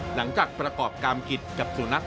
หลังจากประกอบกรรมกิจกับสูนัก